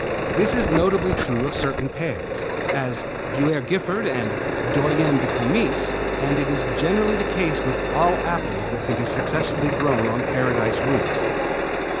This is notably true of certain pears, as Buerré Giffard and Doyenne du Comice, and it is generally the case with all apples that can be successfully grown on Paradise roots.